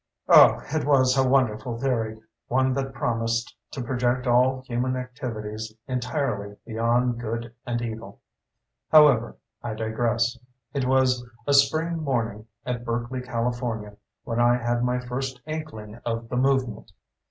Oh, it was a wonderful theory, one that promised to project all human activities entirely beyond good and evil. However, I digress. It was a spring morning at Berkeley, California, when I had my first inkling of the movement.